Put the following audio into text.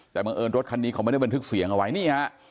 แต่บังเอิญรถคันนี้เขาไม่ได้บันทึกเสียงเอาไว้นี่ฮะ